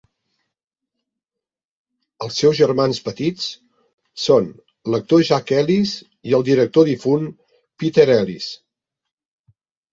Els seus germans petits són l'actor Jack Ellis i el director difunt Peter Ellis.